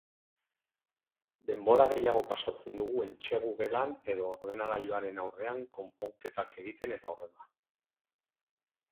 Denbora gehiago pasatzen dugu entsegu gelan edo ordenagailuaren aurrean konponketak egiten eta horrela.